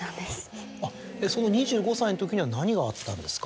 その２５歳のときには何があったんですか？